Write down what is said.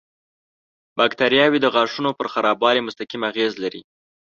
باکتریاوې د غاښونو پر خرابوالي مستقیم اغېز لري.